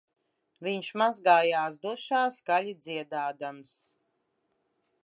Viņš mazgājās dušā skaļi dziedādams